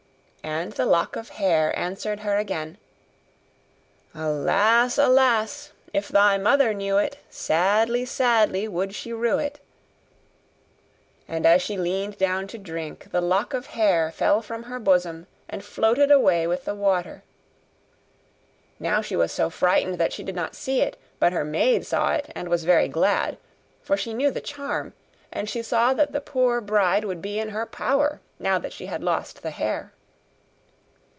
And the lock of hair answered her again: 'Alas! alas! if thy mother knew it, Sadly, sadly, would she rue it.' And as she leaned down to drink, the lock of hair fell from her bosom, and floated away with the water. Now she was so frightened that she did not see it; but her maid saw it, and was very glad, for she knew the charm; and she saw that the poor bride would be in her power, now that she had lost the hair.